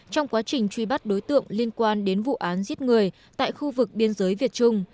trong quá trình truy bắt đối tượng liên quan đến vụ án giết người tại khu vực biên giới việt trung